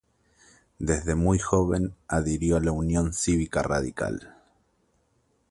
Desde muy joven adhirió a la Unión Cívica Radical.